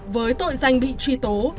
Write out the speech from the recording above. với tội danh bị truy tố